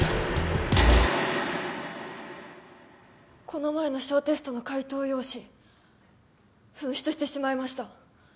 この前の小テストの解答用紙紛失してしまいました